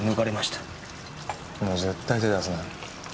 もう絶対手出すなよ。